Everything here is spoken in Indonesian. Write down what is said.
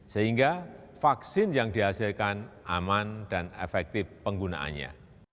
sehingga vaksin yang dihasilkan aman dan efektif penggunaannya